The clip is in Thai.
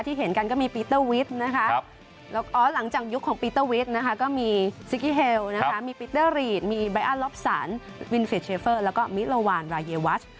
ที่เห็นกันก็มีปีเตอร์วิสหลังจากยุคของปีเตอร์วิสก็มีซิกกี้เฮลมีปีเตอร์รีดมีไบอาร์ลอบสันวินฟิลเชฟเฟอร์แล้วก็มิลโลวานรายเยวัช